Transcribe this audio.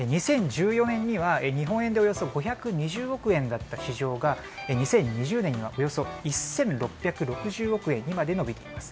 ２０１４年には日本円でおよそ５２０億円だった市場が２０２０年にはおよそ１６６０億円にまで伸びています。